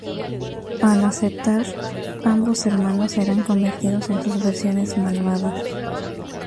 Al aceptar, ambos hermanos serán convertidos en sus versiones malvadas.